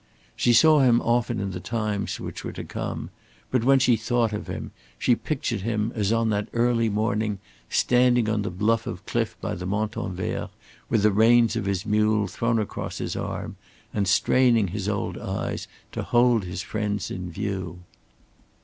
She saw him often in the times which were to come, but when she thought of him, she pictured him as on that early morning standing on the bluff of cliff by the Montanvert with the reins of his mule thrown across his arm, and straining his old eyes to hold his friends in view.